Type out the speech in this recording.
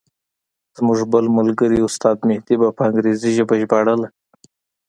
زموږ بل ملګري استاد مهدي به په انګریزي ژباړله.